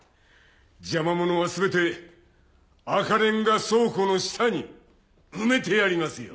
邪魔者は全て赤レンガ倉庫の下に埋めてやりますよ！